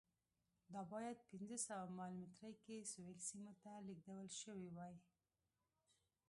دا باید پنځه سوه مایل مترۍ کې سویل سیمې ته لېږدول شوې وای.